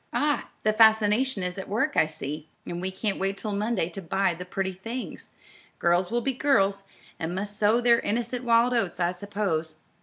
"Ah! the fascination is at work, I see; and we can't wait till Monday to buy the pretty things. Girls will be girls, and must sow their innocent wild oats I suppose.